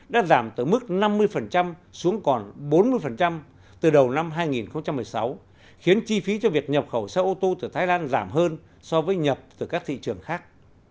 đã giảm từ mức năm mươi xuống còn bốn mươi từ đầu năm hai nghìn một mươi sáu khiến chi phí cho việc nhập khẩu xe ô tô từ thái lan giảm hơn so với nhập từ các thị trường khác